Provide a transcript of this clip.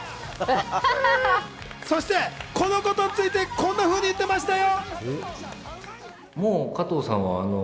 そしてこのことについてこんなふうに言ってましたよ。